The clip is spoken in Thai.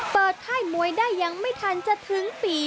ค่ายมวยได้ยังไม่ทันจะถึงปี